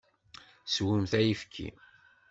Swemt ayefki!